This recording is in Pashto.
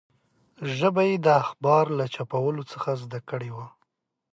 ژبه یې د اخبار چاپول زده کړي وو.